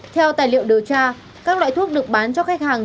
theo tài liệu điều tra các loại thuốc được bán cho khách hàng